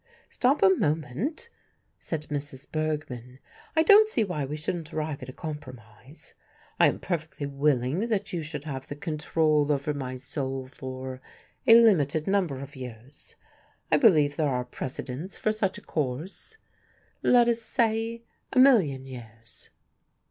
"Stop a moment," said Mrs. Bergmann, "I don't see why we shouldn't arrive at a compromise. I am perfectly willing that you should have the control over my soul for a limited number of years I believe there are precedents for such a course let us say a million years."